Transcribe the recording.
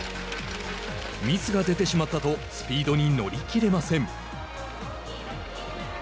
「ミスが出てしまった」とスピードに乗り切れません。